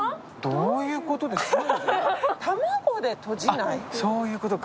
どういうことですか。